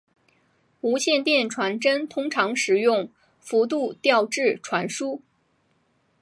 无线电传真通常使用幅度调制传输。